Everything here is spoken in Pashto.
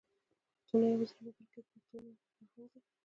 پښتو نه يوازې ژبه ده بلکې پښتو يو فرهنګ هم دی.